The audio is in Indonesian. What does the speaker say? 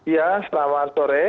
ya selamat sore